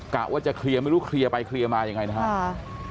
กะว่าจะเคลียร์ไม่รู้เคลียร์ไปเคลียร์มายังไงนะครับ